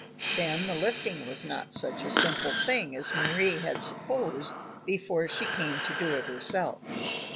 Then the lifting was not such a simple thing as Mari had supposed before she came to do it herself.